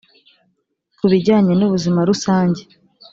ku bijyanye n’ubuzima rusange